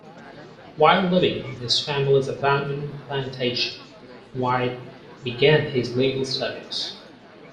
While living on his family's abandoned plantation, White began his legal studies.